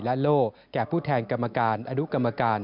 และโล่แก่ผู้แทนกรรมการอนุกรรมการ